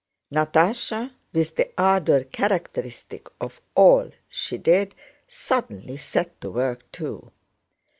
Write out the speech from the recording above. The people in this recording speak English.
Natásha, with the ardor characteristic of all she did suddenly set to work too.